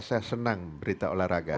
saya senang berita olahraga